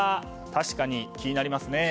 確かに気になりますね。